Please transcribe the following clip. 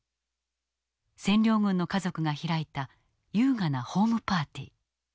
占領軍の家族が開いた優雅なホームパーティー。